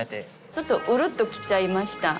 ちょっとウルッと来ちゃいました。